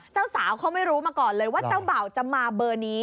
เจ้าสาวเขาไม่รู้มาก่อนเลยว่าเจ้าบ่าวจะมาเบอร์นี้